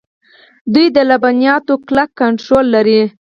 دوی د لبنیاتو کلک کنټرول لري.